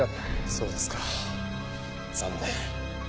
そうですか残念。